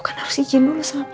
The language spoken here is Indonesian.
kan aku harus ijin dulu sama papa